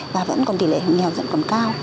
và vẫn còn tỷ lệ học nghèo dẫn còn cao